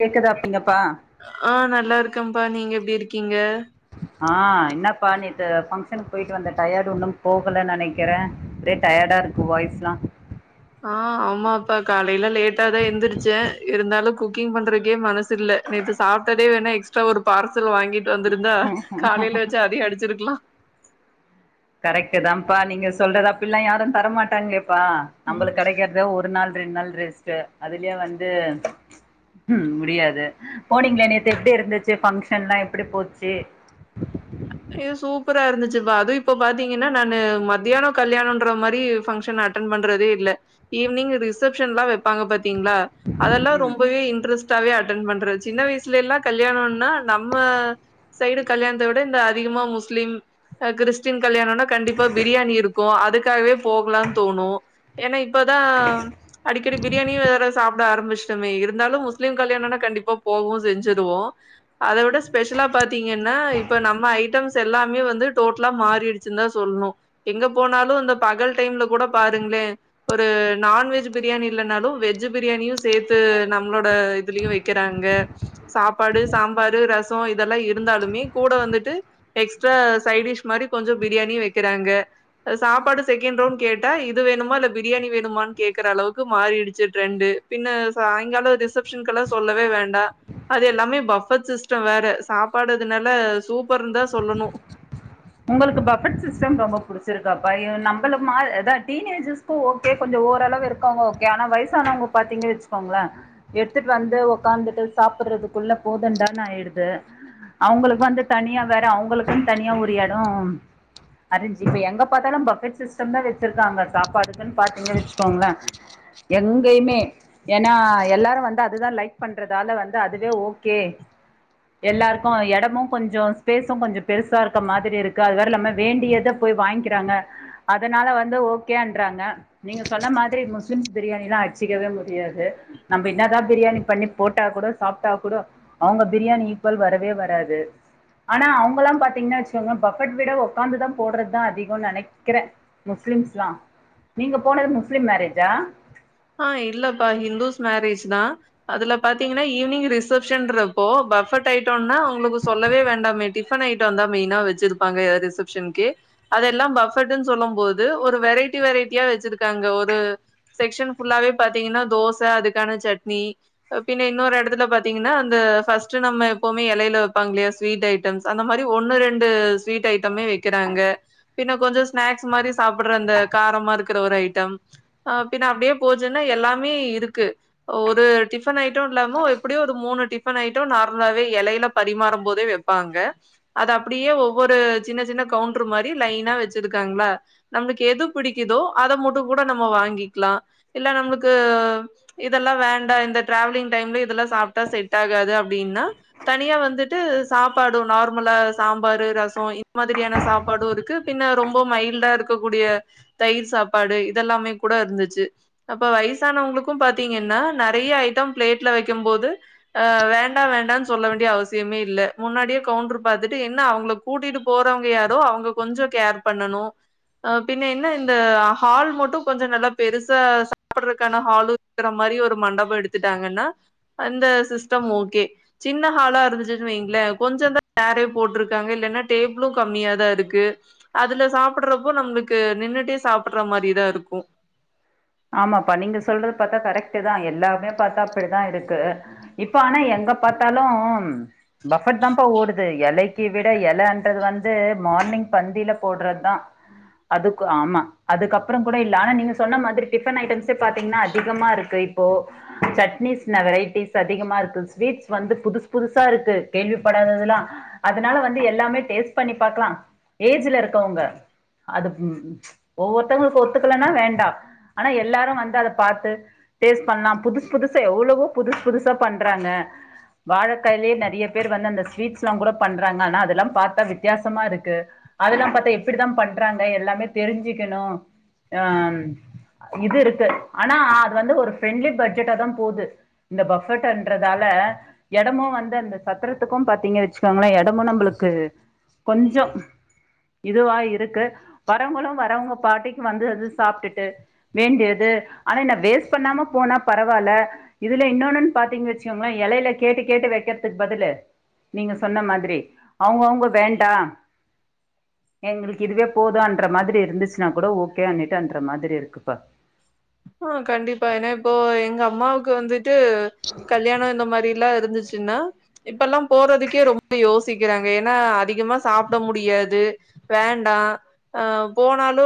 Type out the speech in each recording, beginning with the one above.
கேக்குதா அப்பீங்கப்பா பா நீங்க எப்டி இருக்கீங்க ஆஹ் என்னப்பா நேத்து ஃபங்க்ஷனுக்கு போயிட்டு வந்த டயர்டு உன்னும் போகல நெனைக்கிறே ஒரே டயர்டா இருக்கு வாய்ஸ்லா ஆஹ் ஆமாப்பா கால் லைல லேட்டதா எந்திரிச்சே இருந்தாலு குக்கிங் பண்றக்கே மனசில்ல நேத்து சாப்ட்டதே வேணா எக்ஸ்ட்ரா ஒரு பார் சல் வாங்கிட்டு வந்திருந்தா காலைல வச்சு அதையே அடிச்சிருக்கலா கரெக்ட்டுதாம்பா நீங்க சொல்றது அப்பில்லா யாரும் தரமாட்டாங்களே ப்பா ம். நம்மளுக்கெடைக்கறதே ஒரு நாள் ரெண்டு நாள் ரெஸ்ட்டு அதுலயு வந்து முடியாது போனீங்களே நேத்து எப்டி இருந்துச்சு ஃபங்ஷன்லா எப்படி போச்சி அதுவா அதும் இப்ப பாத்தீங்கன்னா நானு மத்தியானோ கல்யாணொன்றமாரி பங்கஷன் அட்டன் பண்றதே இல்ல ஈவினிங் ரிசப்ஷன்லா வெப்பாங்க பாத் திங்களா அதெல்லா ம் ரொம்பவே இன்ட்ரெஸ்டாவே அட் அட்டென் பண்ற சின்ன வயசுல எல்லா கல்யாணம்னா நம்ம சைடு கல்யாணத்த விட இந்த அதிகமா முஸ்லிம் கிறிஸ்டின் கல்யாணனா கண்டிப்பா பிரியாணி இருக் கு அதுக்காகவே போகலானு தோணு ஏன்னா இப்பதா அடிக்கடி பிரியாணியே வேற சாப்பிட ஆரம்பிச்சிட்டமே இருந்தாலு முஸ்லீம் கல்யாணனா கண்டிப்பா போகவு செஞ்சிருவோ அத விட ஸ்பெஷலா பாத்தீங்கன்னா இப்ப நம்ம ஐ ட்டம்ஸ் எல்லாமே வந்து டோட்டலா மாறிடுச்சுன் தா சொல்லணு எங்க போனாலு இந்த பகல் டைம்ல கூட பாருங்களே ஒரு நான்வெஜ் பிரியாணி இல்லனாலும் வெஜ் பிரியாணியு சேர்த்து நம்மளோட இதுலயு வெக்கிறாங்க சாப்பாடு சாம்பாரு ரச இதெல்லா இருந்தாலுமே கூட வந்துட்டு எக்ஸ்ட்ரா சைட் டிஷ் மாதிரி கொஞ்ச பிரியாணியு வெக்கிறாங்க சாப்பாடு செகண்ட் ரவுண்ட் கேட்டா இது வேணுமா இல்ல பிரியாணி வேணுமான்னு கேக்குற அளவுக்கு மாறிடுச்சு ட்ரெண்டு பின சாயங்காலம் ரிசப்ஷன்கெல்லா சொல்லவே வேண்டா அது எல்லாமே பஃபட் சிஸ்ட வேற சாப்பாடுதுனால சூப்பர்ன்ந்தா சொல்லணு உங்களுக்கு பஃபெட் சிஸ்டம் ரொம்ப புடிச்சிருக்காப்ப எ நம்பள மா அதா டீன்ஏஜஸ்கு ஓகே கொஞ்ச ஓரளவு இருக்கவங்க ஓகே ஆனா வயசானவங்க பாத்தீங்க வச்சுக்கோங்களேன் எடுத்துட்டு வந்து உக்காந்துட்டு சாப்பிடுறதுக்குள்ள போதுன்டான் ஆயிடுது அவங்களுக்கு வந்து தனியா வேற அவங்களுக்குன் தனியா ஒ ரு எட அரேஞ்ச்சு இப்ப எங்க பாத்தாலு பஃபெட் சிஸ்டம் தா வெச்சிருக்காங்க சாப்பாட்டுக்கு பாத்தீங்கன் வெச்சுக்கோங்களே எங்கயுமே ஏனா எல்லாரு வந்து அத தா லைக் பண்றதால வந்து அதுவே ஓகே எல்லாருக்கு எடமு கொஞ்ச ஸ்பேசு கொஞ்ச பெருசா இருக் க மாதிரி இருக்கு அது வேற இல்லாம வேண்டியத போய் வாங்கிக்கிறாங்க அதனால வந்து ஓகே ன்றாங்க நீங்க சொன்ன மாதிரி முஸ்லீம்ஸ் பிரியாணிலா அச்சிக்கவே முடியாது நம்ம என்னதா பிரியாணி பண்ணி போட்டா கூட சாப்பிட்டா கூட அவங்க பிரியாணி ஈக்குல் வரவே வராது ஆனா அவங்கல்லாம் பாத்தீங்கன்னா வெச் சுக்கங்க பஃபெட் விட உக்காந்துதான் போடுறது தா அதிகன் நெனைக்கறே முஸ்லீம்ஸ் லா நீங்க போனது முஸ்லீம் மேரேஜா ஆஹ் இல்லப்பா ஹிந்துஸ் மேரேஜ் தா அதுல பாத்தீங்கன்னா ஈவினிங் ரிசப்ஷன்றப்போ பஃபட் ஐட்டன்னா அவங்களுக்கு சொல்லவே வேண்டாமே டிஃபன் ஐட்டந்தா மெயினா வச்சிருப்பாங்க ரிசப்ஷன்க்கு அதெல்லா பஃபட்ன்னு சொல்லும் போது ஒரு வெரைட்டி வெரைட்டியா வச்சிருக்காங்க ஒரு செக்ஷன் ஃபுல்லாவே பாத்தீங்கன்னா தோச அதுக்கான சட்னி பின்ன இன்னொரு எடத்துல பாத்தீங்கன்னா அந்த ஃபர்ஸ்ட் நம்ம எப்பவுமே எலையில வெப்பாங்களே ஸ்வீட் ஐட்டம்ஸ் அந்த மாரி ஒன்னு ரெண்டு ஸ்வீட் ஐட்டமே வெக்கிறாங்க பின்ன கொஞ்ச ஸ்நாக்ஸ் மாரி சாப்பிடுற அந்த காரமா இருக்கற ஒரு ஐட்டம் அ பின்ன அப்படியே போச்சுன்னா எல்லாமே இருக்கு ஒரு டிஃபன் ஐட்டம் இல்லாமோ எப்படியே ஒரு மூணு டிஃபன் ஐட்டம் நார்மலாவே எலையில பரிமாறும் போதே வெப்பாங்க அது அப்படியே ஒவ்வொரு சின்ன சின்ன கவுண்ட்டர் மாரி லைனா வச்சிருக்காங்களா நம்மளுக்கு எது பிடிக்குதோ அத மட்டும் கூட நம்ம வாங்கிக்கலாம் இல்ல நம்மளுக்கு இதெல்லா வேண்டா இந்த டிராவலிங் டைம்ல இதெல்லா சாப்ட்டா செட் ஆகாது அப்படின்னா தனியா வந்துட்டு சாப்பாடும் நார்மலா சாம்பாரு ரசம் இந்த மாதிரியான சாப்பாடும் இருக்கு பின் ரொம்ப மைல்டா இருக்கக்க கூடிய தயிர் சாப்பாடு இதெல்லாமே கூட இருந்துச்சு அப்ப வயசானவங்களுக்கும் பாத்தீங்கன்னா நறைய ஐட்டம் பிளேட்ல வைக்கும் போது அஹ் வேண்டா வேண்டானு சொல்ல வேண்டிய அவசியமே இல்ல முன்னாடியே கவுண்டர் பாத்துட்டு என்ன அவங்கள கூட்டிட்டு போறவங்க யாரோ அவங்க கொஞ்ச கேர் பண்ணணு அஹ பின்ன என்ன இந்த ஹால் மட்டும் கொஞ்ச நல்லா பெருசு சாப்பிடுறக்கான ஹாலு இருக்கிற மாரி ஒரு மண்டப எடுத்துட்டாங்கன்னா அந்த சிஸ்டம் ஓகே சின்ன ஹாலா இருந்துச்சு வைங்களேன் கொஞ்சந்தா சேரே போட்ருக்காங்க இல்லன்னா டேபிளு கம்மியாதா இருக்கு அதுல சாப்பிடறப்போ நம்மளுக்கு நின்னுட்டே சாப்பிடற மாரிதா இருக்கு ஆமாப்பா நீங்க சொல்றது பாத்தா கரெக்ட் தா எல்லாமே பாத்தா அப்படிதா இருக்கு இப்ப ஆனா எங்க பாத்தாலு பஃபட் தான்ப்பா ஓடுது எலைக்கு விட எலைன்றது வந்து மார்னிங் பந்தில போடுறது தா அதுக்கு ஆமா அதுக்கப்புறம் கூட இல்ல ஆனா நீங்க சொன்ன மாதிரி டிஃபன் ஐட்டம்சே பாத்தீங்கன்னா அதிகமா இருக்கு இப்போ சட்னிஸ்ன வெரைட்டிஸ் அதிகமா இருக்கு ஸ்வீட்ஸ் வந்து புதுசு புதுசா இருக்கு கேள்விப்படாததுல்லா அதனால வந்து எல்லாமே டேஸ்ட் பண்ணி பாக்கலா ஏஜ்ல இருக்கவங்க அது ஒவ்வொருத்தவங்களுக்கு ஒத்துக்கலனா வேண்டா ஆனா எல்லாரு வந்து அத பாத்து டேஸ்ட் பண்ணலாம் புதுசு புதுசா எவ்வளவோ புதுசு புதுசா பண்றாங்க வாழக்காயிலயே நறைய பேர் வந்து அந்த ஸ்வீட்ஸ் எல்லா கூட பண்றாங்க ஆனா அதெல்லாம் பாத்தா வித்தியாசமா இருக்கு அதெல்லாம் பாத்தா எப்படித்தான் பண்றாங்க எல்லாமே தெரிஞ்சிக்கணும் ஆஹ் இது இருக்கு ஆனா அது வந்து ஒரு ஃப்ரெண்ட்லி பட்ஜெட்டா தா போகுது இந்த பஃபட்ன்றதால எடமும் வந்து அந்த சத்திரத்துக்கும் பாத்தீங்க வச்சுக்கோங்களன் எடமும் நம்மளுக்கு கொஞ்சம் இதுவா இருக்கு வரவங்களும் வரவங்க பாட்டிக்கு வந்து வ சாப்பிட்டுட்டு வேண்டியது ஆனா என்ன வேஸ்ட் பண்ணாம போனா பரவால்ல இதுல இன்னொன்னுன்னு பாத்தீங்க வச்சுக்கோங்களன் எலையில கேட்டு கேட்டு வைக்கிறதுக்கு பதிலு நீங்க சொன்ன மாதிரி அவங்கவுங்க வேண்டா எங்களுக்கு இதுவே போதுன்ற மாதிரி இருந்துச்சுன்னா கூட ஓகே அந்துட்டு அன்ற மாதிரி இருக்கு ப ஆஹ் கண்டிப்பா ஏனா இப்போ எங்க அம்மாவுக்கு வந்து ட்டு கல்யாணோ இந்த மாரில்லா முடிஞ்ச்சுன்னா இப்பெல்லாம் போறதுக்கே ரொம்ப யோசிக்கிறாங்க ஏன்னா அதிகமா சாப்ட முடியாது வேண்டா அ போனாலு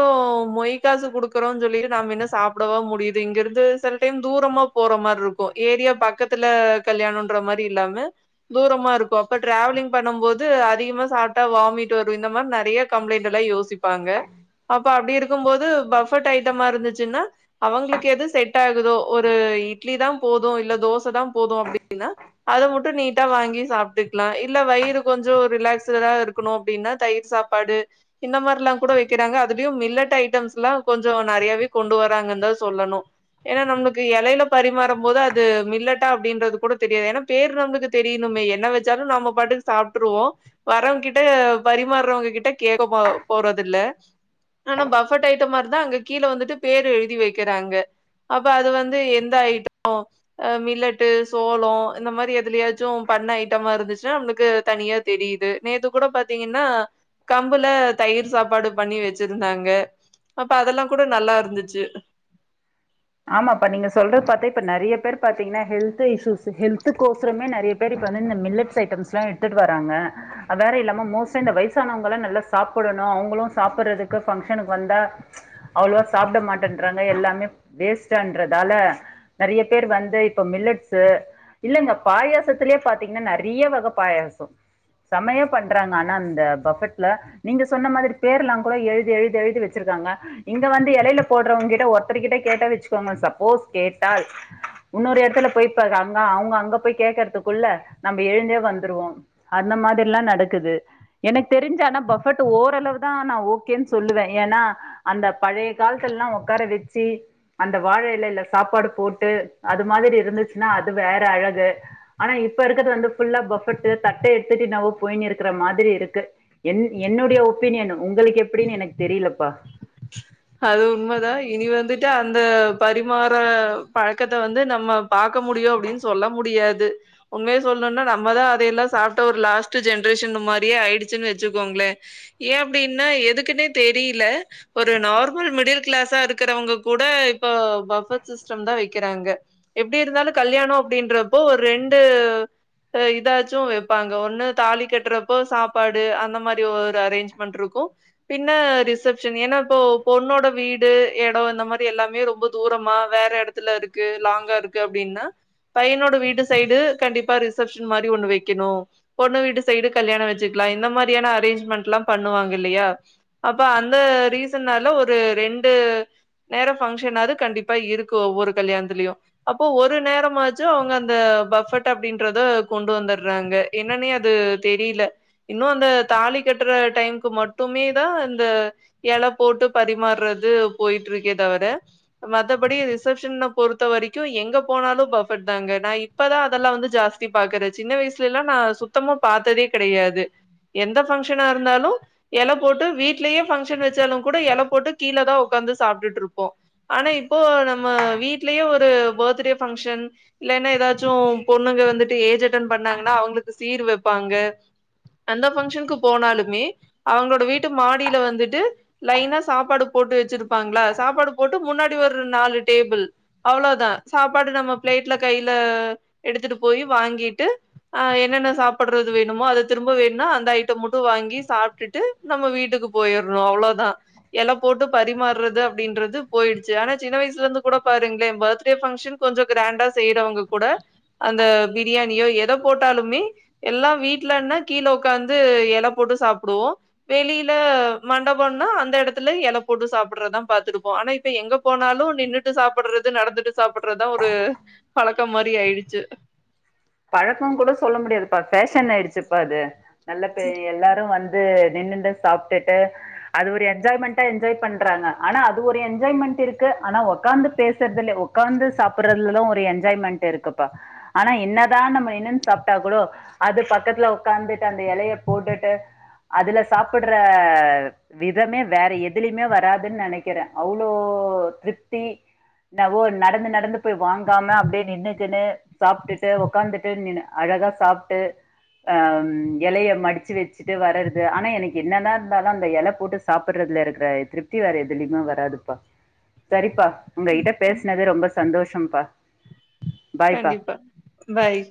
மொய் காசு குடுக்குறோன் சொல்லி நாம் மின்ன சாப் படவா முடியிது இங்கிருந்து சில டைம் தூரமா போற மார்ருக்கு ஏரியா பக்கத்துல கல்யாணோன்ற மாரி இல்லாம தூரமா இருக்கு அப்ப டிரேவலிங் பண்ணும் போது அதிகமா சாப்ட்டா வாமிட் வரு இந்த மார் நெறைய கம்ளைண்ட் எல்லா யோசி ப்பாங்க அப்ப அப்டி இருக் க்கும் போது பஃபட் ஐட்டமா இருந்துச்சுன்னா அவங்களுக்கு எது செட் ஆகுதோ ஒரு இட்லி தா போது இல்ல தோச தா போது அப்டின்னா அத மட்டு நீட்டா வாங்கி சாப்ட்டுக்லா இல்ல வயிறு கொஞ்சோ ரிலாக்ஸ்டடா இருக்கணு அப்டின்னா தயிர் சாப்பாடு இந்த மார்ல்லாங் கூட வெக்கிறாங்க அதுலியு மில்லட் ஐட்டம்ஸ்ல்லா கொஞ்சோ நறையாவே கொண்டு வராங்க தா சொல்லணு ஏனா நம்ளுக்கு எலையில பரிமாறம் போது அது மில்லட்டா அப்டின்றது கூட தெரியா ஏனா பேர் நம்புளுக்கு தெரிணுமே என்ன வெச்சாலு நம்ப பாட்டுக்கு சாப்ட்ருவோ வரவங்கிட்ட பரிமார்றவங்க கிட்ட கேக்க போ போறதில்ல ஆனா பஃபட் ஐட்டமாருந்தா அங்க கீழ வந்துட்டு பேர் எழுதி வெ க்கிறாங்க அப்ப அது வந்து எந்த ஐட்டோ அ மில்லட்டு சோளோ இந்த மாதிரி எதுலயாச்சு பண்ண ஐட்டமா இருந்துச்சுனா நம்மளுக்கு தனியா தெரியிது நேத்து கூட பாத்தீங்கன்னா கம்புல தயிர் சாப்பாடு பண்ணி வெச்சிருந்தாங்க அப்ப அதெல்லாங்கூட நல்லா இருந்துச்சு ஆமாப்பா நீங்க சொல்றத பாத்தே இப்ப நெறைய பேர் பாத்தீங்கனா ஹெல்த் இஷ்யூஸு ஹெல்துக்கோசரமே நெறைய பேரு இப்ப வந்து இந்த மில்லட்ஸ் ஐட்டம்ஸ்ல்லா எடுத்துட் வராங்க அ வேற இல்லாம மோஸ்ட்லா இந்த வயசானவங்கல்லா நல்லா சாப்பிடணு அவுங்களு சாப்பறதுக்கு பங்க்ஷனுக்கு வந்தா அவ்ளவா சாப்ட மாட்டன்றாங்க எல்லாமே வேஸ்டான்றதால நெறைய பேர் வந்து இப்ப மில்லட்ஸு இல்லங்க பாயாசத்துலியே பாத்தீங்னா நறிய வக பாயாசோ செமையா பண்றாங்க ஆனா அந்த பஃபட்ல நீங்க சொன்ன மாதிரி பேர் எல்லாங்கூட எழுதி எழுதி எழுதி வெச்சிருக்காங்க இங்க வந்து எலையில போட்றவங்கிட்ட ஒருத்தர்கிட்ட கேட்டா வெச்சுக்கோங்க சப்போஸ் கேட்டால் உன்னொரு எடத்துல போய் ப அங்க அவுங்க அங்க போய் கேக்கறதுக்குள்ள நம்ப எழுந்தே வந்துருவோ அந்த மாதியெல்லா நடக்குது எனக் தெரிஞ்சு ஆனா பஃபட் ஓரளவுதா நா ஓகேன் சொல்லுவே ஏனா அந்த பழைய காலத்ல்லா ஒக்கார வெச்சி அந்த வாழை எலையில சாப்பாடு போட்டு அது மாதிரி இருந்துச்சுனா அது வேற அழகு ஆனா இப்ப இருக்கறது வந்து ஃபுல்லா பஃபட்டு தட்ட எடுத்துட்டு நாவோ போய்னு இருக்கற மாதிரி இருக்கு என் என்னுடைய ஒப்பீனியனு உங்களுக்கு எப்டினு எனக் தெரியலப்பா அது உண்மதா இனி வந்துட்டு அந்த பரிமாற பழக்கத்த வந்து நம்ம பா க்க முடியு அப்டின் சொல்ல முடியாது உண்மய சொல்ணுன்னா நம்மதா அதையெல்லா சாப்ட்ட ஒரு லாஸ்ட் ஜென்ரேஷன் மாரியே ஆயிடுச்சுன் வெச்சுக்கோங்ளே ஏ அப்டின்னா எதுக்குன்னே தெரியில ஒரு நார்மல் மிடில் கிளாஸா இருக்கறவங்க கூட இப்ப பஃப் பட் சிஸ்டம் தா வெக்கிறாங்க எப்டி இருந்தாலு கல்யாணோ அப்டின்றப் ப்போ ஒ ரெண்டு அ இதாச்சு வெப்பாங்க ஒன்னு தாலி கட்றப்போ சாப்பாடு அந்த மாரி ஒரு அரேஞ்ச்மெண்ட்ருக்கு பின்ன ரிசப்ஷன் ஏன்னா போ பொண்ணோட வீடு எடோ இந்த மாரி எல்லாமே ரொம்ப தூரமா வேற எடத்துல இருக்கு லாங்கா இருக்கு அப்டின்னா பையனோட வீட்டு சைடு கண்டிப்பா ரிசப்ஷன் மாரி ஒண்ணு வெக்கிணு பொண்ணு வீட்டு சைடு கல்யாண வெச்சுக்லா இந்த மாரியான அரேஞ்ச்மெண்ட்ல்லா பண்ணுவாங்க இல்லையா அப்ப அந்த ரீச ன்னால ஒரு ரெண்டு நேரோ பங்க்ஷனாது கண்டிப்பா இருக்கு ஒவ்வொரு கல்யாண்த்துலயு அப்போ ஒரு நேரமாச்சு அவுங்க அந்த பஃபட் அப்டின்றத கொண்டு வந்துர்றாங்க என்னன்னே அது தெரில இன்னு அந்த தாலி கட்ற டைம்க்கு மட்டுமே தா இந்த எல போட்டு பரிமார்றது போயிட்ருக்கே தவர மத்தபடி ரிசப்ஷன்ன பொறுத்த வரிக்கு எங்க போனாலு பஃபட் தாங்க நா இப்பதா அதெல்லா வந்து ஜாஸ்தி பாக்குறே சின்ன வயசுலல்லா நா சுத்தமா பாத்ததே கெடையாது எந்த ஃபங்க்ஷனா இருந்தாலு எல போட்டு வீட்லயே ஃபங்க்ஷன் வெச்சாலுங் கூட எல போட்டு கீழ தா உக்காந்து சாப்டுட்ருப்போ ஆனா இப்போ நம்ம வீட்லியே ஒரு பர்த்டே ஃபங்க்ஷன் இல்லென்னா எதாச்சு பொண்ணுங்க வந்துட்டு ஏஜ் அட்டன் பண்ணாங்கன்னா அவுங்ளுக்கு சீரு வெப்பாங்க அந்த ஃபங்ஷன்க்கு போனாலுமே அவுங்களோட வீட்டு மாடில வந்துட்டு லைனா சாப்பாடு போட்டு வெச்சிருப்பாங்ளா சாப்பாடு போட்டு முன்னாடி ஒரு நாலு டேபிள் அவ்ளோதா சாப்பாடு நம்ம ப்ளேட்ல கைல எடுத்துட்டு போயி வாங்கிட்டு அ என்னென்ன சாப்பட்றது வேணுமோ அத திரும்ப வேண்னா அந்த ஐட்டம் முட்டு வாங்கி சாப்டுட்டு நம்ம வீட்டுக்கு போயர்றோ அவ்ளோதா எல போட்டு பரிமார்றது அப்டின்றது போயிடுச்சு ஆனா சின்ன வய்ஸ்லர்ந்து கூட பாருங்ளே பத்டே ஃபங்க்ஷன் கொஞ்சொ க்ராண்டா செய்றவங்க கூட அந்த பிரியாணியோ எத போட்டாலுமே எல்லா வீட்லன்னா கீழ உக்காந்து எல போட்டு சாப்டுவோ வெளில மண்டபோன்னா அந் த எடத்துல எல போட்டு சாப்பட்றதா பாத்திருப்போ ஆனா இப்ப எங்க போனாலு நின்னுட்டு சாப்பட்றது நடந்துட்டு சாப்பட்றதா ஒரு பழக்கம் மாரி ஆயிடுச் ச்சு பழக்கோங் கூட சொல்ல முடியாதுப்பா ஃபேஷன் ஆயிடுச்சுப்பா அது நல்ல பே எல்லாரு வந் து நின்னுன்டு சாப்டுட்டு அது ஒரு என்ஜாய்மெண்டா என்ஜாய் பண்றாங்க ஆனா அது ஒரு என்ஜாய்மெண்ட்டிருக்கு ஆனா ஒக்காந்து பேசர்துலே ஒக்காந்து சாப்புட்றதுலதா ஒரு என்ஜாய்மெண்ட்டிருக்குப்பா ஆனா என்னா தா நம்ம நின்னுன் சாப்ட்டாகூடோ அது பக்கத்ல உக்காந்துட்டு அந்த எலைய போடுட்டு அதுல சாப்புட்ற விதமே வேற எதுலியுமே வராதுன் நெனக்கிறே அவ்ளோ திருப்தி நவோ நடந்து நடந்து போய் வாங்காம அப்டே நின்னுகுன்னு சாப்டுட்டு ஒ க்காந்துட்டு நினு அழகா சாப்ட்டு அம் எலைய மடிச்சு வெச்சுட்டு வரது ஆனா எனக்கு என்னதா இருந்தாலு அந்த எல போட்டு சாப்பட்றதுல இருக்ற திருப்தி வேற எதுலிமே வராதுப்பா சரிப்பா உங்க கிட்ட பேஸ்னது ரொம்பஸ் சந்தோஷம்ப்பா பாய்ப்பா கண்டிப்பா பாய்